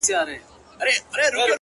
جواب را كړې،